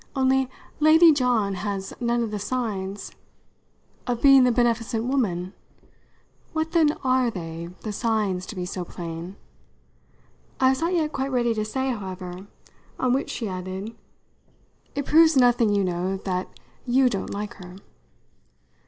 Only, Lady John has none of the signs " "Of being the beneficent woman? What then are they the signs to be so plain?" I was not yet quite ready to say, however; on which she added: "It proves nothing, you know, that you don't like her."